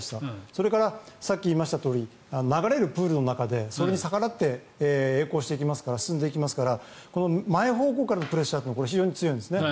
それからさっき言いましたとおり流れるプールの中でそれに逆らって進んでいきますから前方向からのプレッシャーというのが非常に強いんですね。